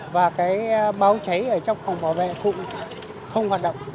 và cái báo cháy ở trong phòng bảo vệ phụ không hoạt động